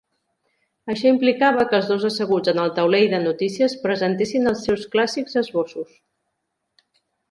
Això implicava que els dos asseguts en el taulell de notícies, presentessin els seus clàssics esbossos.